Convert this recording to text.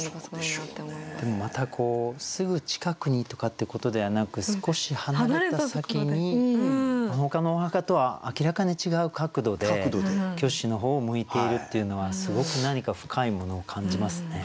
でもまたすぐ近くにとかってことではなく少し離れた先にほかのお墓とは明らかに違う角度で虚子の方を向いているっていうのはすごく何か深いものを感じますね。